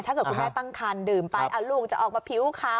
ถ้าเกิดคุณแม่ตั้งคันดื่มไปลูกจะออกมาผิวขาว